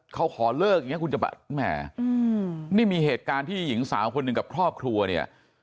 เขาขอเลิกอย่างนี้คุณจะแบบแหมนี่มีเหตุการณ์ที่หญิงสาวคนหนึ่งกับครอบครัวเนี่ย